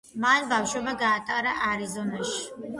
მან ბავშვობა გაატარა არიზონაში.